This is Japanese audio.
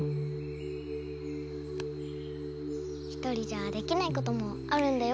一人じゃできないこともあるんだよ。